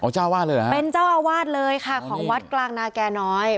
เจ้าวาดเลยเหรอฮะเป็นเจ้าอาวาสเลยค่ะของวัดกลางนาแก่น้อย